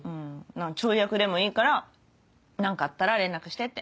ちょい役でもいいから何かあったら連絡してって。